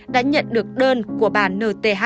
đã nhận được đơn của bà nth